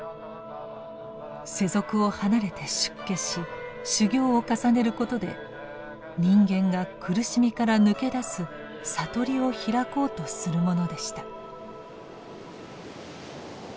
世俗を離れて出家し修行を重ねることで人間が苦しみから脱け出す悟りを開こうとするものでした。